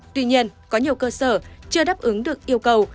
tuy nhiên có nhiều cơ sở chưa đáp ứng được yêu cầu